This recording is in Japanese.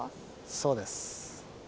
そうです。